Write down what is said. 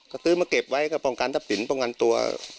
ก็ซื้อมาเก็บไว้ก็ป้องกันทรัพย์สินป้องกันตัว